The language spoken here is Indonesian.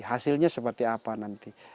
hasilnya seperti apa nanti